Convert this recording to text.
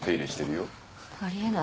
あり得ない。